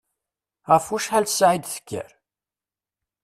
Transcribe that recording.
Ɣef wacḥal ssaɛa i d-tekker?